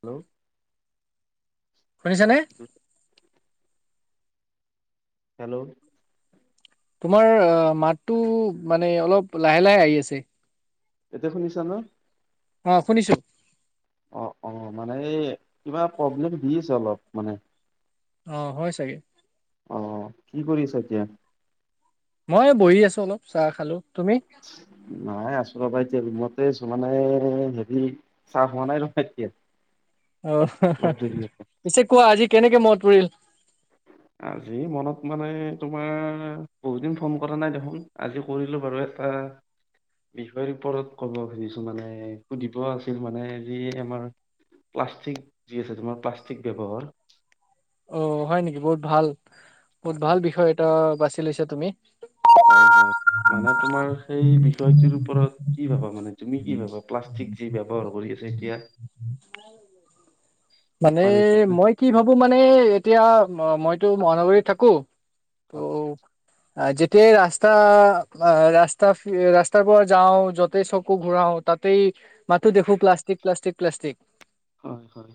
Hello শুনিছেনে? Hello তোমাৰ অ মাতটো মানে অলপ লাহে লাহে আহি আছে। এতিয়া শুনিছা ন? অ শুনিছো। অ অ মানে এই কিবা প্ৰব্লেম দিছে অলপ মানে। অ হয় চাগে। অ কি কৰিছ এতিয়া? মই এই বহি আছোঁ অলপ চাহ খালোঁ। নাই আছোঁ। ৰবা এতিয়া ৰুমতে আছোঁ মানে হেৰি চাহ হোৱা নাই ৰবা‌ এতিয়া। অহ' হশ অলপ দেৰি হশ হ'ব। পিছে কোৱা আজি কেনেকে মনত পৰিল। আজি মনত মানে তোমাৰ বহুত দিন ফোন কৰা নাই দেখোন আজি কৰিলোঁ বাৰু। পাৰ বিষয়ৰ ওপৰত ক'ব খুজিছোঁ মানে সুধিব আছিল মানে যি আমাৰ প্লাষ্টিক যি আছে তোমাৰ প্লাষ্টিক ব্যৱহাৰ অ' হয় নেকি? বহুত ভাল বহুত ভাল বিষয় এটা বাছি লৈছা তুমি। হয়, হয় মানে তোমাৰ সেই বিষয়টো ওপৰত কি ভাবা মানে তুমি কি ভাবা প্লাষ্টিক ঠিক যি ব্যৱহাৰ কৰি আছে এতিয়া। মানে মানুহবিলাকে মই কি ভাবোঁ মানে এতিয়া মইতো মহানগৰীত থাকো তো হয় আহ যেতিয়াই ৰাস্তা ৰাস্তা ৰাস্তাৰ পৰা যাওঁ যতেই চকু ঘূৰাও তাত তাতেই মাথো দেখো প্লাষ্টিক, প্লাষ্টিক, প্লাষ্টিক হয় হয়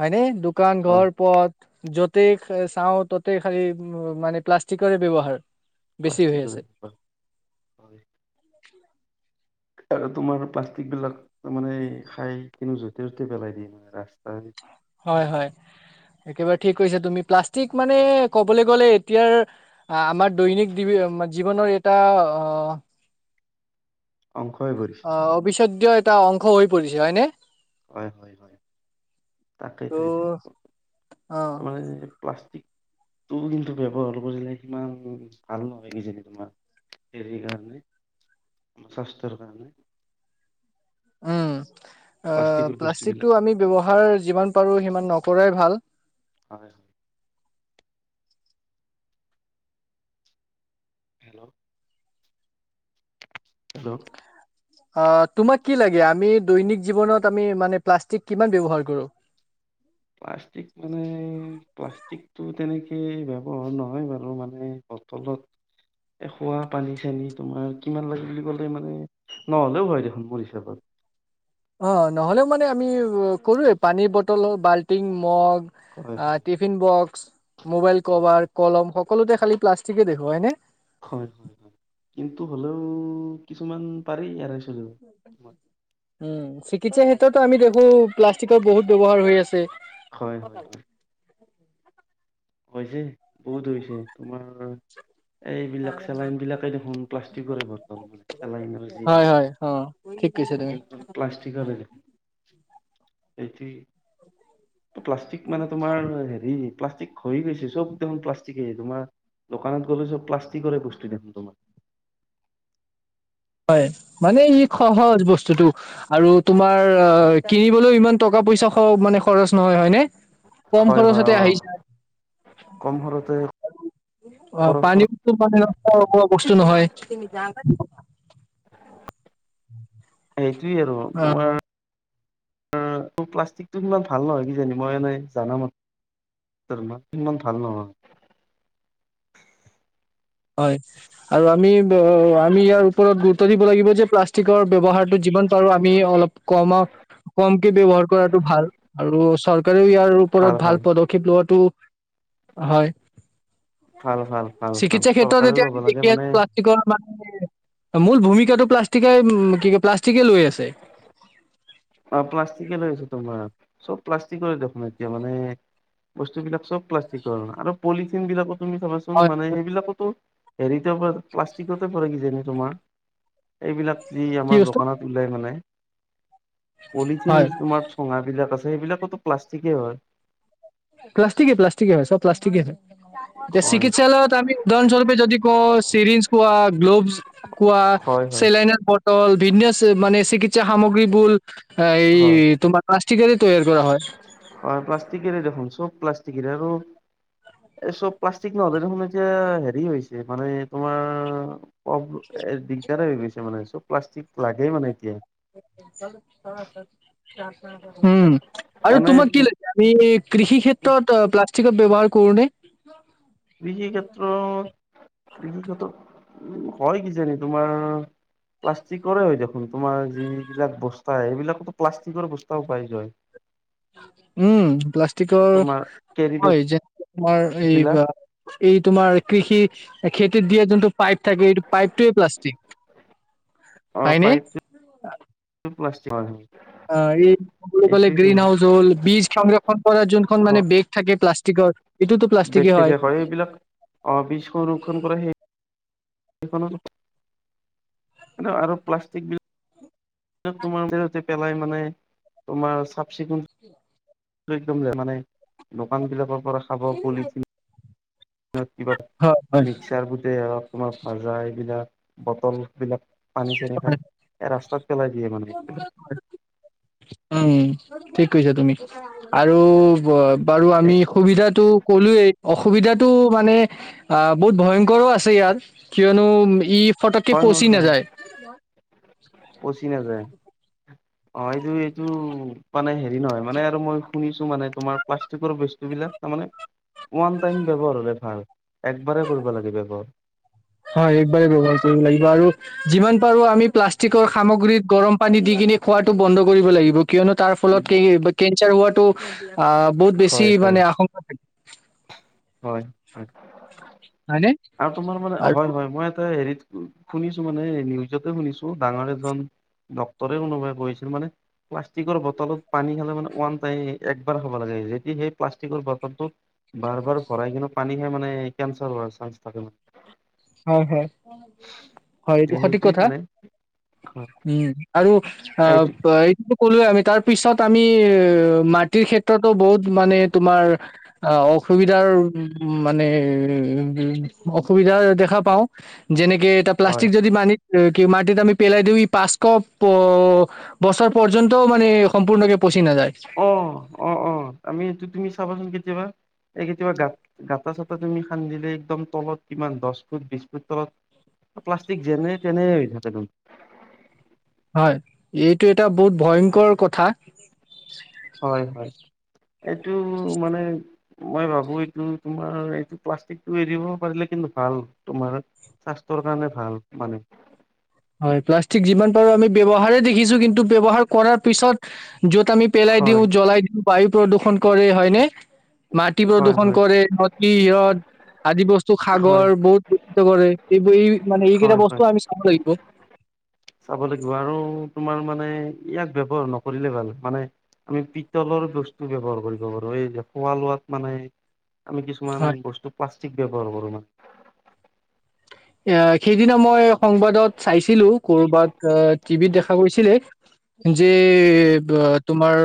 হয়নে? দোকান, হয় ঘৰ পত য'তেই চাওঁ, ত'তেই খালি মানে প্লাষ্টিকৰে ব্যৱহাৰ। বেছি হৈ আছে প্লাষ্টিকৰে কিবা। [unintelligible] আৰু তোমাৰ প্লাষ্টিক বিলাক মানে খাই কিন্তু য'তে ততে পেলাই দিয়ে মানে ৰাস্ত। হয়, হয় একেবাৰে ঠিক কৈছা তুমি প্লাষ্টিক ঠিক মানে ক'বলৈ গ'লে এতিয়াৰ আমাৰ দৈনিক দি জীৱনৰ এটা অহ' অংশই ভৰিছে। ইয়াৰ এটা অংশ হৈ পৰিছে হয়নে? হয়, হয়, হয়, ত' তাকেইটো এতিয়া অ তাৰ মানে প্লাষ্টিক তোৰ কিন্তু ব্যৱহাৰ কৰিলে সিমান ভাল নহয় কিজানি তোমাৰ হেৰি কাৰণে মুখস্থ কাৰণে উম, অ' প্লাষ্টিকৰ বস্তুবিলাক প্লাষ্টিকটো আমি ব্যৱহাৰ যিমান পাৰোঁ সিমান নকৰাই ভাল। হয়। হেল্ল' হেল্ল' অ' তোমাক কি লাগে, আমি দৈনিক জীৱনত আমি মানে প্লাষ্টিক কিমান ব্যৱহাৰ কৰোঁ। [unintelligible] প্লাষ্টিক মানে, প্লাষ্টিকতটো তেনেকে ব্যৱহাৰ নহয় বাৰু মানে বটলত এই, খোৱা পানী চানী তোমাৰ কিমান লাগে বুলি ক'লে মানে নহ'লেও হয় দেখোন মোৰ হিচাপত। অ' নহ'লেও মানে আমি কৰোৱে পানীৰ বটল হওঁক বাল্টিং, মগ হয় আহ হয় টিফিনবক্স, মোবাইল হয় হয়। কভাৰ, কলম, সকলোতে খালি প্লাষ্টিকে দেখোঁ হয়নে? হয়। কিন্তু, হ'লেও কিছুমান পাৰি ইয়াৰে উম, চিকিৎসা টোত আমি দেখোঁ প্লাষ্টিকৰ বহুত ব্যৱহাৰ হৈ আছে। হয়, হয়, হয়। [unintelligible] হৈছে, বহুত হৈছে। তোমাৰে [unintelligible] এইবিলাক চেলাইন বিলাকে দেখোন প্লাষ্টিকৰে বটল মানে চেলাইন যি হয় হেৰি হয় কৰে। অ ঠিক কৈছা তুমি বেলতল প্লাষ্টিকৰে এতি, প্লাষ্টিক মানে তোমাৰ হেৰি প্লাষ্টিক হৈ গৈছে চব [unintelligible] প্লাষ্টিকে তোমাৰ দোকানত গ'লে চব প্লাষ্টিকৰে বস্তু দেখোন তোমাৰ। মানে ই, খহজ বচ টো আৰু তোমাৰ অ', কিনিবলৈও ইমান টকা, পইচা খ-মানে খৰচ নহয় হয়নে? কম হয় হয় খৰচতে অ আহিচ কম খৰতে খৰ অ', পানী খৰ [unintelligible] সেইটোয়েই আৰু অ তোমাৰ [inaudible] প্লাষ্টিকটো সিমান ভাল নহয়, কিজানি মই এনেই জানা ম [unintelligible] ইমান ভাল নহয়। হয়, আৰু আমি, আমি ইয়াৰ ওপৰত গুৰুত্ব দিব লাগিব যে, প্লাষ্টিকৰ ব্যৱহাৰটো যি যিমান পাৰোঁ, আমি অলপ কমা-কমকে ব্যৱহাৰ কৰাতোঁ ভাল আৰু চ চৰকাৰেও ইয়াৰ ওপৰত ভাল পদক্ষেপ লোৱাটো, হয়। ভাল ভাল ভাল ভাল। সেইটো চৰকাৰেও যেতিয়া ল'ব লাগে দেখি মানে আছোঁ, প্লষ্টিকৰ মূল ভূমিকাটো প্লাষ্টিকে কি ক প্লাষ্টিকে লৈ আছে। অ' প্লাষ্টিকে লৈ আছে তোমাৰ চব প্লাষ্টিকৰে দেখোন এতিয়া মানে বস্তুবিলাক চব প্লাষ্টিকৰ আৰু পলিথিন বিলাকো তুমি চাবাচোন হয় মানে সেইবিলাকতো হেৰিতে প্লাষ্টিকতে পৰে কি জানি তোমাৰ এইবিলাক যি কি আমাৰ বস্তু দোকানত ওলাই মানে পলিথিন হয় তোমাৰ থুনাবিলাক আছে সেইবিলাকতো প্লাষ্টিকেই হয়। প্লাষ্টিকে প্লাষ্টিকে হয় চব প্লাষ্টিকে হয় এতিয়া হয় চিকিৎসালয়ত আমি উদাহৰণস্বৰূপে যদি কওঁ চিৰিঞ্জ কোৱা গ্ল'ভছ কোৱা হয় চেলাইন ভিন্ন মানে চিকিৎসা সামগ্ৰী বুল এই হয় তোমাৰ প্লাষ্টিকেৰে তৈয়াৰ কৰা হয়। হয় প্লাষ্টিকেৰে দেখোন চব প্লাষ্টিকৰে আৰু এই চব প্লাষ্টিক নহলে দেখোন এতিয়া হেৰি হৈছে মানে তোমাৰ, এই দিগদাৰেই হৈ গৈছে মানে চব প্লাষ্টিক লাগেই মানে এতিয়া। উম আৰু এনে তোমাক কি লাগ, ই কৃষি ক্ষেত্ৰত প্লাষ্টিকৰ ব্যৱহাৰ কৰোনে? কৃষি ক্ষেত্ৰত কৃষিক ক্ষেত্ৰত উ হয় কিজানি তোমাৰ প্লাষ্টিকৰে হয় দেখোন তোমাৰ যিবিলাক বস্তা এইবিলাকতো প্লাষ্টিকৰ বস্তাও পাই যায়। উম প্লাষ্টিকৰ তোমাৰ কেৰি বেগ হয় যে তোমাৰ এই বিলাক বা এই তোমাৰ কৃষি খেত দিয়া যোনটো পাইপ থাকে এইটো পাইপটোৱেই প্লাষ্টিক। হয়নে। পাইপ অ হয়। অ [unintelligible] কলে এইটোৱেতো গ্ৰীণ হাউচ হ'ল বীজ সংৰক্ষণ কৰাৰ যোনখন মানে বেগ থাকে প্লাষ্টিক, [unintelligible] হয় এইবিলাক অ বীজ সংৰক্ষণ কৰা সেই সেইখন আৰু প্লাষ্টিক বিলা তোমাৰ [unintelligible] পেলাই মানে তোমাৰ চাফ চিকুণ। একদম মানে দোকান বিলাকৰ পৰা খাব পলিথি কিবা হয়, হয়। মিক্সাৰ [unintelligible] ভাজা এইবিলাক বটল বিলাক। পানী চানী হয়, খাই এ ৰাস্তাত পেলাই দিয়ে মানে এইবিলাক। উম ঠিক কৈছা তুমি। আৰু বাৰু আমি সুবিধাটো কলোয়েই অসুবিধাটো মানে অ বহুত ভয়ংকৰো আছে ইয়াৰ কিয়নো ই ফটকে হয় হয় পচি হয় নাযায়। [unintelligible] অ এইটো এইটো মানে হেৰি নহয় মানে আৰু মই শুনিছো মানে তোমাৰ প্লাষ্টিকৰ বস্তু বিলাক। তাৰ মানে ওৱান টাইম ব্যৱহাৰ হলে ভাল একবাৰেই কৰিব লাগে ব্যৱহাৰ হয়, [unintelligible] আৰু যিমান পাৰো আমি প্লাষ্টিকৰ সামগ্ৰীত গৰম পানী দি কিনি খোৱাটো বন্ধ কৰিব লাগিব কিয়নো তাৰ ফলত কি কেঞ্চাৰ হোৱাটো আ বহুত বেছি হয় হয় মানে আশংকা থাকে হয়নে আৰু তোমাৰ মানে আৰু হয় হয় মই এটা হেৰি শুনিছো মানে নিউজতে শুনিছো ডাঙৰ এজন ডক্তৰে কোনোবাই কৈছিল মানে প্লাষ্টিকৰ বটলত পানী খালে মানে ওৱান টাইম একবাৰ খাব লাগে যদি সেই প্লাষ্টিকৰ বটলটোত বাৰ বাৰ ভৰাই কিন্তু পানী খালে মানে কেঞ্চাৰ হোৱাৰ চান্স থাকে হয় হয় হয় এইটো মানে সঠিক সেইটোৱে কথা মানে হয় উম আৰু এইটো [inaudible] কলোৱেই আমি তাৰ পিছত আমি মাটিৰ ক্ষেত্ৰতো বহুত মানে তোমাৰ অসুবিধা মানে অসুবিধাই [unintelligible] দেখা পাওঁ যেনেকে এটা হয় প্লাষ্টিক যদি মানি কি মাটিত আমি পেলাই দিওঁ ই পাঁচশ বছৰ পৰ্যন্তও মানে সম্পূৰ্ণকে পচি নাযায় অ অ অ আমিটো তুমি চাবাচোন কেতিয়াবা এই কেতিয়াবা গা গাঁতা চাটা তুমি খান্দিলে একদম তলত কিমান দশ ফুট বিশ ফুট তলত প্লাষ্টিক যেনে তেনে হৈ থাকে হয় এইটো এটা বহুত ভয়ংকৰ কথা হয় হয় এইটো মানে মই ভাবো এইটো তোমাৰ এইটো প্লাষ্টিকটো এৰিব পাৰিলে কিন্তু ভাল তোমাৰ স্বাস্থ্যৰ কাৰণে ভাল মানে হয় প্লাষ্টিক যিমান পাৰো আমি ব্যৱহাৰে দেখিছো কিন্তু ব্যৱহাৰ কৰাৰ পিছত য'ত আমি পেলাই দিওঁ হয় জ্বলাই দিওঁ বায়ু প্ৰদূষণ কৰে হয়নে মাটি হয় প্ৰদূষণ হয় কৰে নদী ইয়ত আদি বস্তু হয় সাগৰ বহুত [unintelligible] কৰে এই এই মানে হয় এইকেইটা হয় বস্তুও আমি চাব লাগিব চাব লাগিব আৰু তোমাৰ মানে ইয়াক ব্যৱহাৰ নকৰিলে ভাল মানে আমি পিতলৰ বস্তু ব্যৱহাৰ কৰিব পাৰো এই যে খোৱা লোৱাত মানে আমি কিছুমান হয়। বস্তু প্লাষ্টিক ব্যৱহাৰ কৰোঁ মানে [unintelligible] এ সেইদিনা মই সংবাদত চাইছিলো কৰবাত টিভিত দেখা গৈছিলে যে তোমাৰ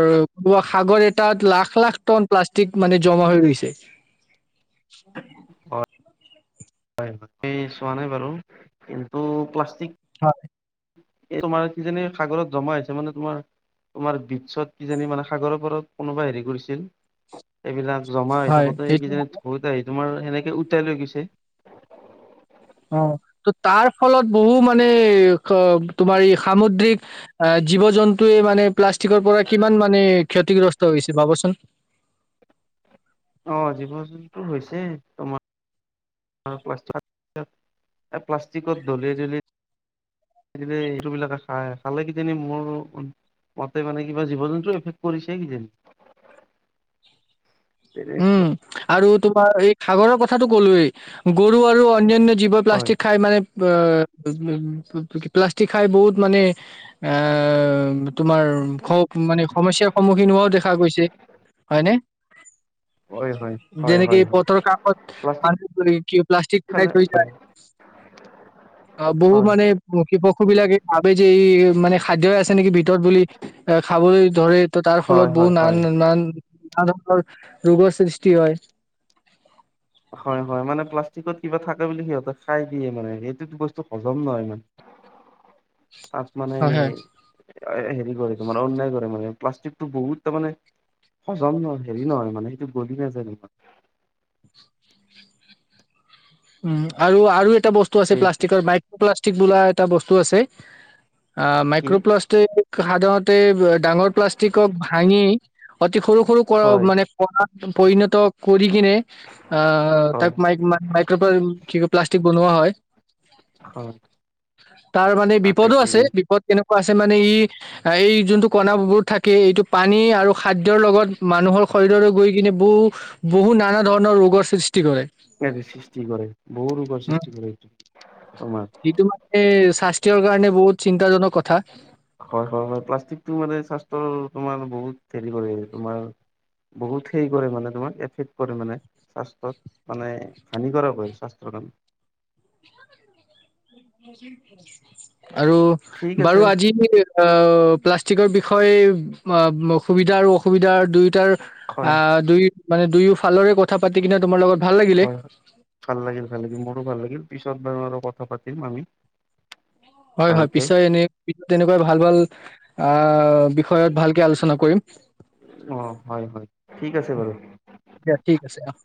সাগৰ এটাত লাখ লাখ টন প্লাষ্ট ি [unintelligible] ক মানে জমা হৈ ৰৈছে হয় হয় চোৱা নাই বাৰু কিন্তু প্লাষ্টিক হয় এই তোমাৰ কিজানি সাগৰত জমা হৈছে মানে তোমাৰ তোমাৰ বিচ্ছত কিজানি মানে সাগৰৰ পাৰত কোনোবা হেৰি কৰিছিল এইবিলাক জমা হৈ হয় থাকোতে সেইটো কিজানি ঢৌতে আহি তোমাৰ সেনেকে উটাই লৈ গৈছে অ ত তাৰ ফলত বহু মানে তোমাৰ এই সামুদ্ৰিক আহ জীৱ জন্তুৱে মানে প্লাষ্টিকৰ পৰা কিমান মানে ক্ষতিগ্ৰস্ত হৈছে ভাবাচোন আহ জীৱ জন্তুৰ হৈছে তোমাৰ া [unintelligible] প্লাষ্টিকত ধলি ধলি স এইটো বিলাকে খাই খালে কিজানি মোৰ মতে মানে কিবা জীৱ জন্তু এফেক কৰিছে কিজানি উম তেনেকুৱা আৰু তোমাৰ এই সাগৰৰ কথাটো কলোৱেই গৰু আৰু অন্যান্য জীৱ্ই হয় প্লাষ্টিক খাই মানে অ উ [unintelligible] প্লাষ্টিক খাই বহুত মানে আ তোমাৰ খ মানে সমস্যাৰ সন্মুখীন হোৱাও দেখা গৈছে হয়নে হয় হয় হয় যেনেকে হয় এই হয় পথৰ কাষত প্লাষ্টিক মাৰ পিট কৰি প্লাষ্টিক পেলায় খালে থৈ হয় যায় [unintelligible] অ বহু মানে পশু বিলাকে ভাবে যে ই মানে খাদ্য আছে নেকি ভিতৰত বুলি এ খাবলৈ ধৰে। ত, তাৰ হয় ফলত হয় বহুত নান হয় ন ধৰণৰ ৰোগৰ সৃষ্টি হয়। হয় - হয় মানে প্লাষ্টিকত কিবা থাকে বুলি সিহতে খাই দিয়ে মানে এইটো বস্তু হজম নহয় ইমান। তাত মানে হয় হয় হেৰি কৰে তোমাৰ অন্যায় কৰে মানে প্লাষ্টিকটো বহুত তাৰানে হজম নহয় হেৰি নহয় মানে সেইটো গলি নাযায় তোমাৰ উম আৰু আৰু এটা বস্তু আছে এই প্লাষ্টিকৰ মাইক্ৰ প্লাষ্টিক বোলা এটা বস্তু আছে। অ, কি মাইক্ৰোপ্লাষ্টিক সাধাৰণতে ডাঙৰ প্লাষ্টিকক ভাঙি অতি সৰু - সৰু হয় মানে কৰা পৰিণত কৰি কিনে আ হয় তাক মাইক মান ম ত কি প্লাষ্টিক বনোৱা হয়। হয় তাৰ মানে বিপদো আছে তাকেইতো বিপদ কেনেকুৱা আছে মানে ই এই যোনটো কণবোৰ থাকে এইটো পানী আৰু খাদ্যৰ লগত মানুহৰ শৰীৰলৈ গৈ কিনে বহু - বহু নানা ধৰণৰ ৰোগৰ সৃষ্টি কৰে। স সৃষ্টি কৰে বহু ৰপৰ সৃষ্টি কৰে এইটো। তোমাৰ সেইটো মানে স্বাস্থ্যয়ৰ কাৰণে বহুত চিন্তাজনক কথা। হয় - হয় - হয় প্লাষ্টিকটো মানে স্বাস্থ্যৰ তোমাৰ বহুত হেৰি কৰে তোমাৰ বহুত সেই কৰে মানে তোমাক এফেক্ট কৰে মানে স্বাস্থত মানে হানিকাৰক স্বাস্যৰ কাম আৰু ঠিক বাৰু আছে আজি প্লাষ্টিকৰ বিষয় বিষয় অ, সুবিধা আৰু অসুবিধা দুয়োটাৰ হয়, আহ, দুই মানে দুয়ো ফালৰে কথা পাতি কিনে তোমাৰ লগত ভাল লাগিলে হয় ভাল লাগিল - ভাল লাগিল মোৰো ভাল লাগিল পিছত বাৰু আৰু কথা পাতিম আমি। হয় - হয় ভালকে পিছ এনে পিছত এনেকুৱাই ভাল - ভাল আহ, বিষয়ত ভালকে আলোচনা কৰিম। অ', হয়, হয় ঠিক আছে বাৰু। দিয়া ঠিক আছে আহ,